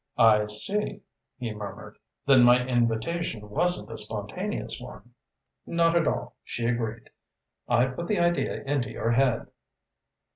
"I see," he murmured. "Then my invitation wasn't a spontaneous one?" "Not at all," she agreed. "I put the idea into your head."